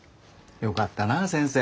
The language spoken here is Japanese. よかったな先生。